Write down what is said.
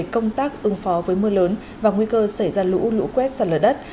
công tác ứng phó với mưa lớn và nguy cơ xảy ra lũ lũ quét sạt lở đất